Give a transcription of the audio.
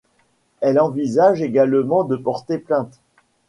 Elle envisage également de porter plainte.